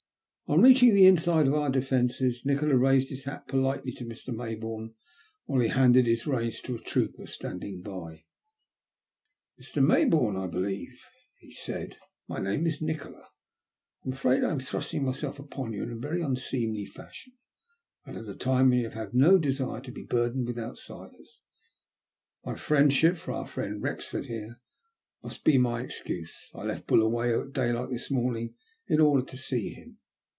On reaching the inside of our defences, Nikola raised his hat politely to Mr. Mayboume, while he handed his reins to a trooper standing by. " Mr. Maybourne, I believe," he said. *' My name is Nikola. I am afraid I am thrusting myself upon you in a very unseemly fashion, and at a time when you have no desire to be burdened with outsiders. My friendship for our friend Wrexford here must be my excuse. I left Buluwayo at daylight this morning in order to see him."